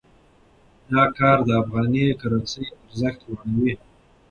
دا کار د افغاني کرنسۍ ارزښت لوړوي.